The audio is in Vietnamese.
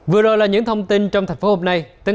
vừa rồi là những thông tin trong thành phố hôm nay